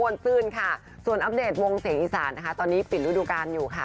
เรื่องให้รู้ดูการอยู่ค่ะ